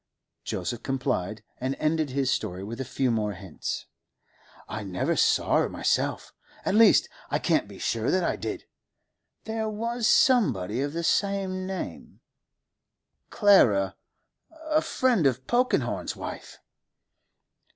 Joseph complied, and ended his story with a few more hints. 'I never saw her myself—at least I can't be sure that I did. There was somebody of the same name—Clara—a friend of Polkenhorne's wife.